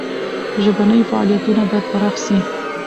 ژبني فعالیتونه باید پراخ سي.